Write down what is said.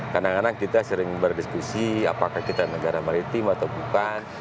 kadang kadang kita sering berdiskusi apakah kita negara maritim atau bukan